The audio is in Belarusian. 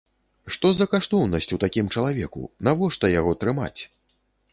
Што за каштоўнасць у такім чалавеку, навошта яго трымаць?